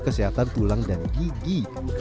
kesehatan tulang dan gigi